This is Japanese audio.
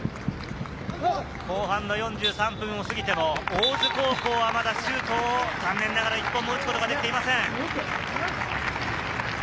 後半の４３分を過ぎても、大津高校はまだシュートを残念ながら１本も打つことができていません。